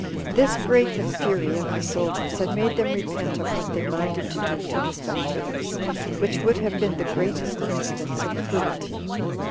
This brake the fury of the soldiers, and made them repent of what they minded to do to the spectators, which would have been the greatest instance of cruelty.